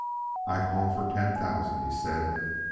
"I call, for ten thousand," he said.